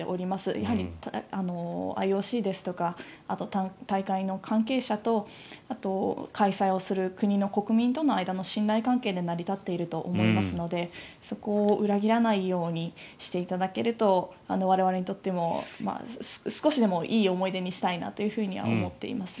やはり、ＩＯＣですとかあと、大会の関係者とあと、開催をする国の国民との間の信頼関係で成り立っていると思いますのでそこを裏切らないようにしていただけると我々にとっても少しでもいい思い出にしたいなと思っていますね。